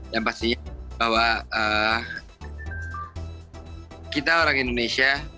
yang pastinya bahwa kita orang indonesia